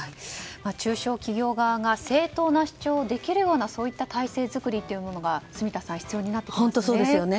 中小企業側が正当な主張をできるような体制作りが住田さん、必要になりますね。